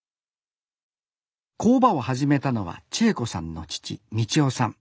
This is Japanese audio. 工場を始めたのは知恵子さんの父迪夫さん。